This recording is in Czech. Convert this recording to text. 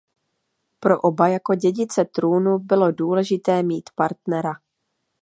Pro oba jako dědice trůnu bylo důležité mít partnera.